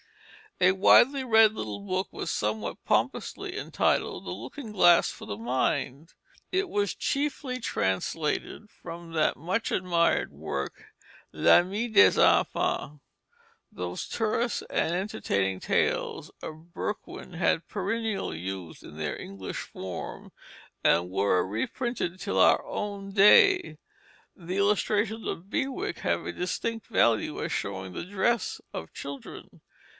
A widely read little book was somewhat pompously entitled The Looking Glass for the Mind. It was chiefly translated from that much admired work, L'Ami des Enfans. Those terse and entertaining tales of Berquin had perennial youth in their English form and were reprinted till our own day. The illustrations of Bewick have a distinct value as showing the dress of children.